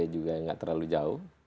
juga gak terlalu jauh